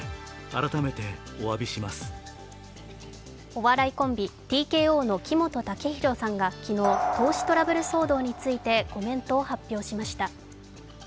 お笑いコンビ、ＴＫＯの木本武宏さんが昨日、投資トラブル騒動についてコメントを発表しました。